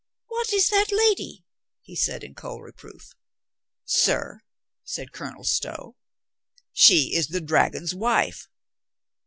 "What is that lady?" he said in cold reproof. "Sir," said Colonel Stow, "she is the dragon's wife."